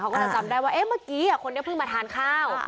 เขาก็จะจำได้ว่าเมื่อกี้คนนี้เพิ่งมาทานข้าว